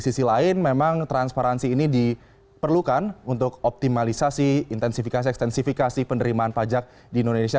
di sisi lain memang transparansi ini diperlukan untuk optimalisasi intensifikasi ekstensifikasi penerimaan pajak di indonesia